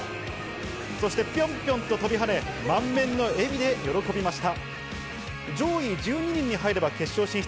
そしてピョンピョンと飛び跳ね満面の笑みで喜びました。